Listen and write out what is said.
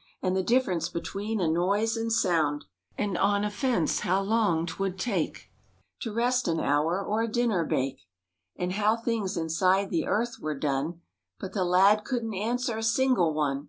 i p \\' And the difference between a noise and l/ * sound, / v And on a fence, how long 'twould take To rest an hour or a dinner bake, And how things inside the earth were done. But the lad couldn't answer a single one.